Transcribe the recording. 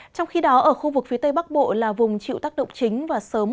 trong khi đó ở khu vực phía tây bắc bộ là vùng chịu tác động chính và sớm